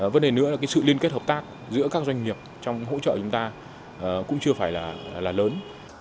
vấn đề nữa là sự liên kết hợp tác giữa các doanh nghiệp trong hỗ trợ chúng ta cũng chưa phải là lớn